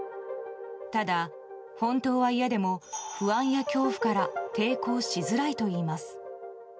ただ本当は嫌でも不安や恐怖から抵抗しづらいといいます。